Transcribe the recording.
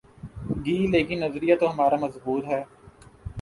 گی لیکن نظریہ تو ہمارا مضبوط ہے۔